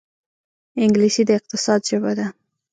انګلیسي د اقتصاد ژبه ده